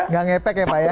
nggak ngepek ya pak ya